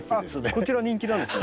こちら人気なんですか？